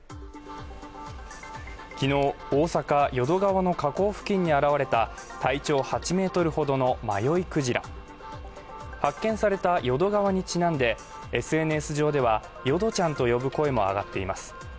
昨日大阪淀川の河口付近に現れた体長８メートルほどの迷いクジラ発見された淀川にちなんでＳＮＳ上ではヨドちゃんと呼ぶ声も上がっています